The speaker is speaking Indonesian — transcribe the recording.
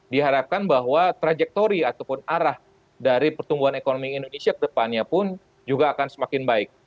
diharapkan bahwa trajectory ataupun arah dari pertumbuhan ekonomi indonesia ke depannya pun juga akan semakin baik